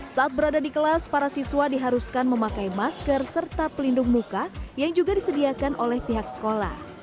saat berada di kelas para siswa diharuskan memakai masker serta pelindung muka yang juga disediakan oleh pihak sekolah